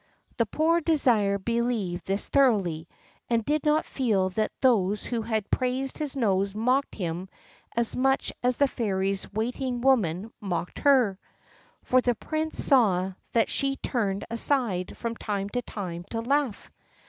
The poor Désir believed this thoroughly, and did not feel that those who had praised his nose mocked him as much as the Fairy's waiting woman mocked her (for the Prince saw that she turned aside from time to time to laugh).